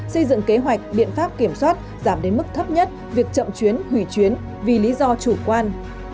xây dựng kế hoạch biện pháp kiểm soát giảm đến mức thấp nhất việc chậm chuyến hủy chuyến vì lý do chủ quan